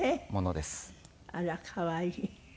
あら可愛い。